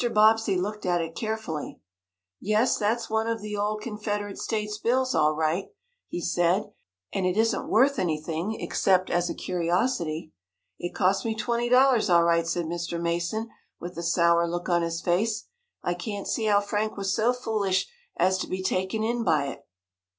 Bobbsey looked at it carefully. "Yes, that's one of the old Confederate States' bills all right," he said, "and it isn't worth anything, except as a curiosity." "It cost me twenty dollars, all right," said Mr. Mason, with a sour look on his face. "I can't see how Frank was so foolish as to be taken in by it."